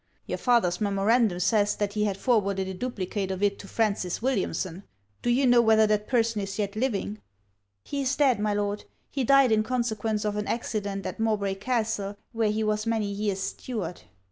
Your father's memorandum says that he had forwarded a duplicate of it to Francis Williamson; do you know whether that person is yet living?' 'He is dead, my Lord. He died in consequence of an accident at Mowbray Castle, where he was many years steward.'